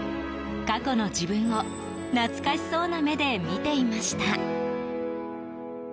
過去の自分を懐かしそうな目で見ていました。